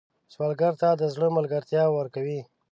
سوالګر ته د زړه ملګرتیا ورکوئ